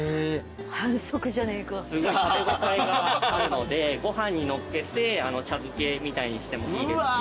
すごい食べ応えがあるのでご飯にのっけて茶漬けみたいにしてもいいですし。